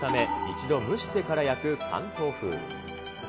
一度、蒸してから焼く関東風。